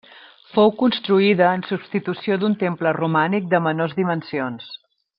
Fou construïda en substitució d'un temple romànic de menors dimensions.